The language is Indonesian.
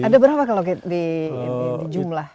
ada berapa kalau di jumlah